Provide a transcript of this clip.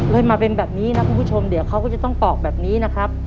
เลยมาเป็นแบบนี้นะคุณผู้ชมเดี๋ยวเขาก็จะต้องปอกแบบนี้นะครับ